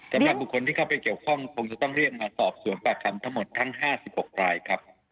สำหรับบุคคลที่เข้าไปเกี่ยวข้องคงจะต้องเรียกมาสอบสวนปากคำทั้งหมดทั้ง๕๖รายครับ